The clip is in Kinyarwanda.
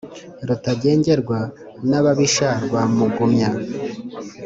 Rutagengerwa n’ababisha rwa Mugumya